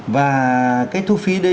và cái thu phí đấy